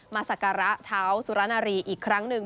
ศักระเท้าสุรนารีอีกครั้งหนึ่ง